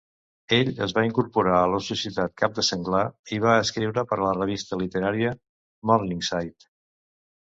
Ell es va incorporar a la societat cap de senglar i va escriure per a la revista literària "Morningside".